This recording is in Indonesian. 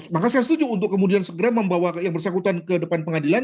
maka saya setuju untuk kemudian segera membawa yang bersangkutan ke depan pengadilan